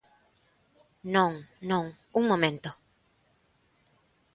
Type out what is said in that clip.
Non, non, un momento.